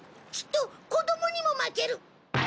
きっと子どもにも負ける！